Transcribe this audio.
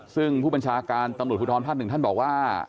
ซึ่งผู้บัญชาการตำรวจภูทรภาค๑ท่านบอกว่า